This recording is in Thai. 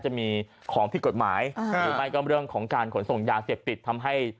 จะมีของผิดกฎหมายหรือไม่ก็เรื่องของการขนส่งยาเสพติดทำให้